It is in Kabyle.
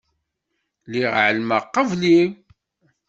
Lliɣ εelmeɣ qbel-im.